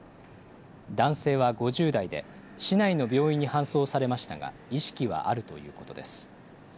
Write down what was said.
男性は５０代で、市内の病院に搬送されましたが、意識はあるということです。